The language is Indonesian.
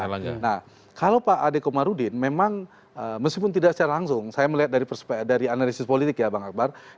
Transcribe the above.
nah kalau pak ade komarudin memang meskipun tidak secara langsung saya melihat dari analisis politik ya bang akbar